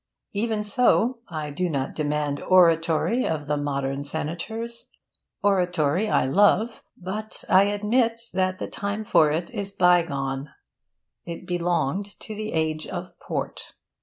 Even so, I do not demand oratory of the modern senators. Oratory I love, but I admit that the time for it is bygone. It belonged to the age of port.